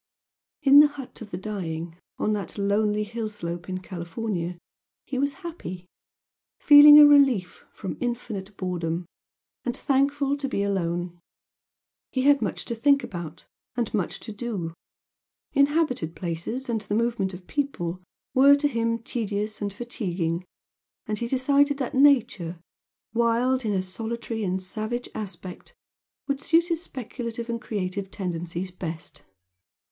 In the "hut of the dying" on that lonely hill slope in California he was happy, feeling a relief from infinite boredom, and thankful to be alone. He had much to think about and much to do inhabited places and the movement of people were to him tedious and fatiguing, and he decided that nature, wild nature in a solitary and savage aspect, would suit his speculative and creative tendencies best.